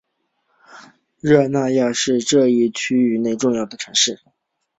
热那亚是这一区域内最重要的城市。